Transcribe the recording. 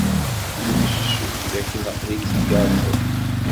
Ulac ccek dakken aql-ik tgerrzeḍ.